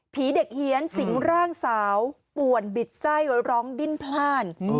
เด็กเฮียนสิงร่างสาวป่วนบิดไส้ร้องดิ้นพลาด